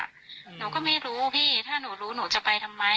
หนูก็ไม่รู้พี่ถ้าหนูรู้หนูจะไปทำไม